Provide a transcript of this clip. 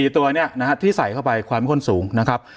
ตัวนี้นะฮะที่ใส่เข้าไปความข้นสูงนะครับ